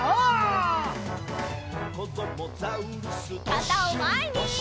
かたをまえに！